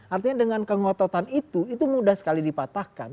artinya dengan kengototan itu itu mudah sekali dipatahkan